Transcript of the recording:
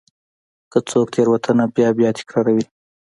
که څوک تېروتنه بیا بیا تکراروي.